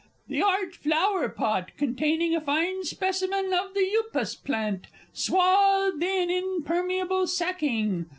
The art flower pot, containing a fine specimen of the Upas plant, swathed in impermeable sacking?